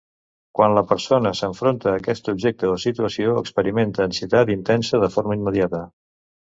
Quan la persona s'enfronta a aquest objecte o situació experimenta ansietat intensa de forma immediata.